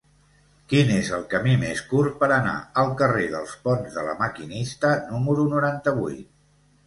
Quin és el camí més curt per anar al carrer dels Ponts de La Maquinista número noranta-vuit?